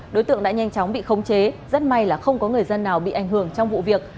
đối tượng đã nhanh chóng bị khống chế rất may là không có người dân nào bị ảnh hưởng trong vụ việc